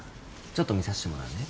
ちょっと診させてもらうね。